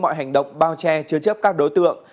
mọi hành động bao che chứa chấp các đối tượng